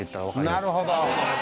なるほど。